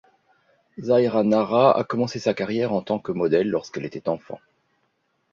Zaira Nara a commencé sa carrière en tant que modèle lorsqu'elle était enfant.